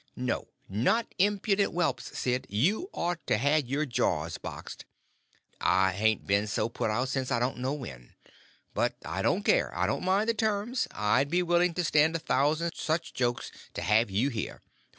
"No—not impudent whelps, Sid. You ought to had your jaws boxed; I hain't been so put out since I don't know when. But I don't care, I don't mind the terms—I'd be willing to stand a thousand such jokes to have you here.